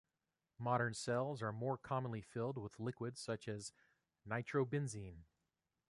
Modern cells are more commonly filled with liquids such as nitrobenzene.